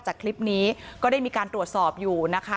คลิปนี้ก็ได้มีการตรวจสอบอยู่นะคะ